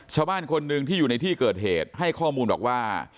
ชาวบ้านคนหนึ่งที่อยู่ในที่เกิดเหตุให้ข้อมูลบอกว่า